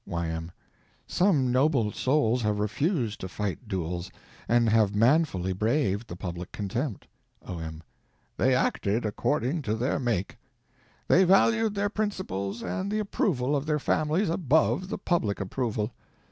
Y.M. Some noble souls have refused to fight duels, and have manfully braved the public contempt. O.M. They acted according to their make. They valued their principles and the approval of their families above the public approval.